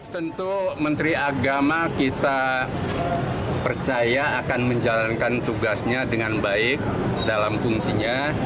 tentu menteri agama kita percaya akan menjalankan tugasnya dengan baik dalam fungsinya